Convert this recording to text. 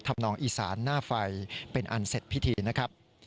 นองอีสานหน้าไฟเป็นอันเสร็จพิธีนะครับ